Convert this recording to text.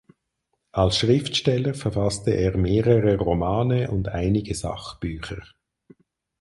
Als Schriftsteller verfasste er mehrere Romane und einige Sachbücher.